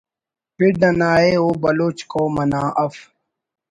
پڈ اناءِ او بلوچ قوم انا اف